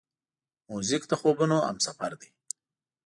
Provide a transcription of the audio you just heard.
موزیک د خوبونو همسفر دی.